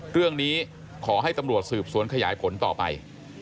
เรื่องนี้ขอให้ตำรวจสืบสวนขยายผลต่อไป